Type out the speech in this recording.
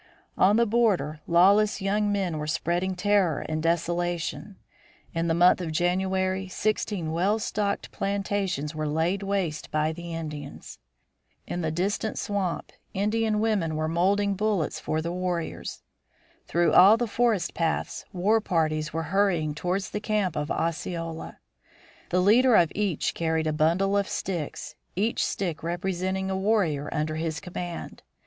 On the border, lawless young men were spreading terror and desolation; in the month of January sixteen well stocked plantations were laid waste by the Indians. In the distant swamp, Indian women were moulding bullets for the warriors. Through all the forest paths war parties were hurrying towards the camp of Osceola. The leader of each carried a bundle of sticks, each stick representing a warrior under his command.